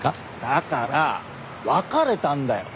だから別れたんだよ。